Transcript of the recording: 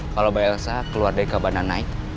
kalau mbak elsa keluar dari kabanan naik